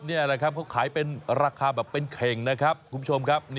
นี่แหละครับเขาขายเป็นราคาแบบเป็นเข่งนะครับคุณผู้ชมครับ